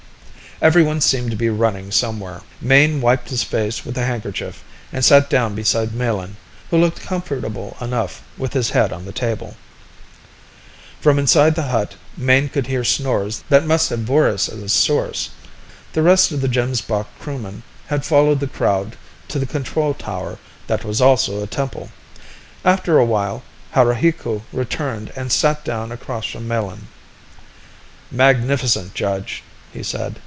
Everyone seemed to be running somewhere. Mayne wiped his face with a handkerchief and sat down beside Melin, who looked comfortable enough with his head on the table. From inside the hut, Mayne could hear snores that must have Voorhis as a source; the rest of the Gemsbok crewmen had followed the crowd to the control tower that was also a temple. After a while, Haruhiku returned and sat down across from Melin. "Magnificent, Judge!" he said.